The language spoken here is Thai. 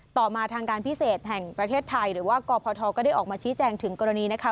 ต่อมาทางการพิเศษแห่งประเทศไทยหรือว่ากพทก็ได้ออกมาชี้แจงถึงกรณีนะคะ